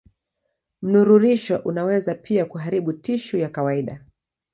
Mnururisho unaweza pia kuharibu tishu ya kawaida.